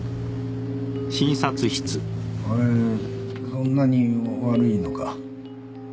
俺そんなに悪いのか？